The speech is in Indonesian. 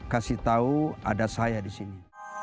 kasih tau ada saya disini